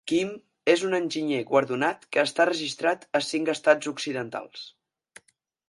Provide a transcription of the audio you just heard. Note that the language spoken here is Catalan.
Kim és un enginyer guardonat que està registrat a cinc estats occidentals.